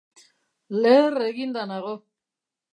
Leher eginda nago!